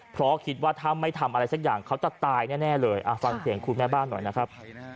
เพราะคิดว่าถ้าไม่ทำอะไรสักอย่างเขาจะตายแน่เลยฟังเสียงคุณแม่บ้านหน่อยนะครับ